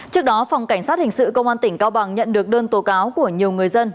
trước đó phòng cảnh sát hình sự công an tỉnh cao bằng nhận được đơn tố cáo của nhiều người dân